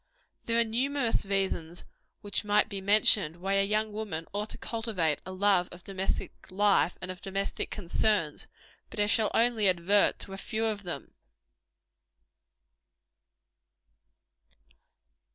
There are numerous reasons which might be mentioned, why a young woman ought to cultivate a love of domestic life, and of domestic concerns; but I shall only advert to a few of them.